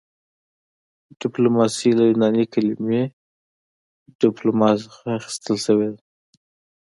ډیپلوماسي له یوناني کلمې ډیپلوما څخه اخیستل شوې ده